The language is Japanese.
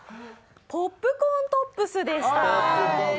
ポップコーントップスでした。